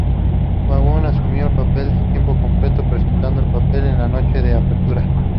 Vaughn asumió el papel tiempo completo, presentando el papel en la noche de apertura.